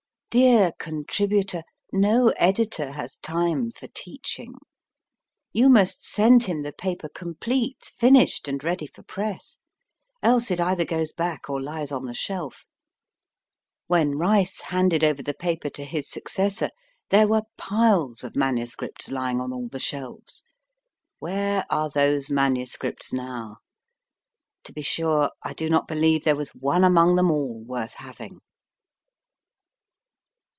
Dear contributor, no editor has time for teaching. You must send him the paper complete, finished, and ready for press ; else it either goes back or lies on the shelf. When Rice handed over the paper to his successor, there were piles of MSS. lying on all the shelves. Where are those MSS. now? To be sure, I do not believe there was one among them all worth having.